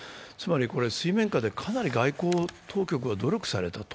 これ水面下でかなり外交当局が努力されたと。